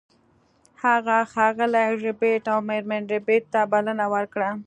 هغه ښاغلي ربیټ او میرمن ربیټ ته بلنه ورکړه